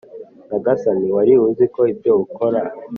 nyagasani, wari uzi ibyo ukora,